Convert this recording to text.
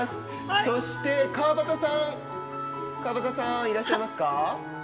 そして、川端さんいらっしゃいますか。